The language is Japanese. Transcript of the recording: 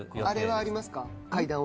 あれはありますか？